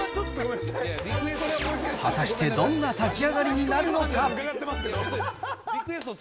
果たしてどんな炊き上がりになるのか。